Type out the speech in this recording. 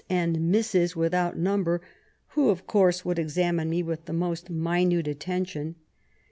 and Misses without number, who, of course, would examine me with the most minute attention.